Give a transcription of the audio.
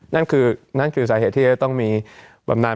นั่นคือสาเหตุที่จะต้องมีบำนาน